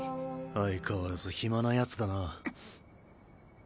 相変わらず暇な奴だな。